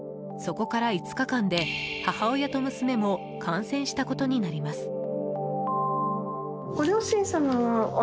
そこから５日間で、母親と娘も感染したことになります。